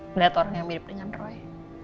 melihat orang yang mirip dengan roy